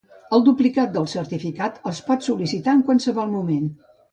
El duplicat del certificat es pot sol·licitar en qualsevol moment.